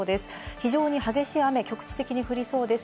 非常に激しい雨が局地的に降りそうです。